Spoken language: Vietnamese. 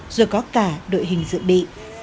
rồi có cả đội hình dự bị